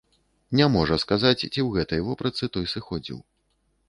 Не можа сказаць, ці ў гэтай вопратцы той сыходзіў.